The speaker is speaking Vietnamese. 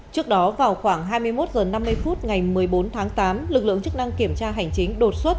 trước đó vào khoảng hai mươi một h năm mươi phút ngày một mươi bốn tháng tám lực lượng chức năng kiểm tra hành chính đột xuất